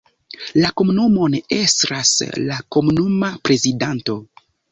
La komunumon estras la komunuma prezidanto.